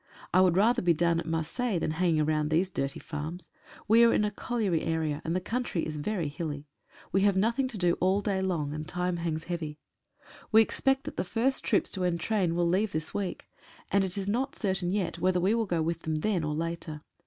I would rather be down at Marseilles than hanging round these dirty farms. We are in a colliery area, and the country is very hilly. We have nothing to do all day long, and time hangs heavy. We expect that the first troops to entrain will leave this week, and it is not certain yet whether we will go with them then or later.